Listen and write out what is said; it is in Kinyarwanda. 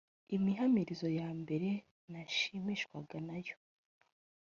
imihamirizo ya mbere nashimishwaga nayo